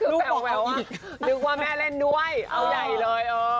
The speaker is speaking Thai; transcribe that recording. แบบว่านึกว่าแม่เล่นด้วยเอาใหญ่เลย